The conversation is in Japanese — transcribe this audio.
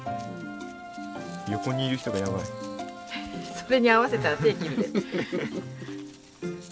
それに合わせたら手切るで。